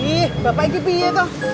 ih bapak ini pilihnya tuh